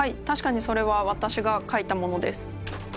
たしかにそれは私がかいたものです。